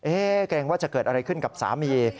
เกรงว่าจะเกิดอะไรขึ้นกับสามี